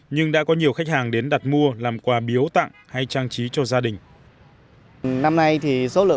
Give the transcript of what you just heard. nhưng đã có nhiều khách hàng đến đặt mua làm quà biếu tặng hay trang trí cho gia đình